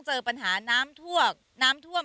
เจอปัญหาน้ำท่วม